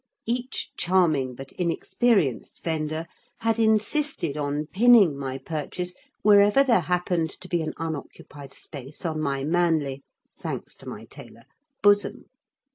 Each charming but inexperienced vendor had insisted on pinning my purchase wherever there happened to be an unoccupied space on my manly (thanks to my tailor) bosom.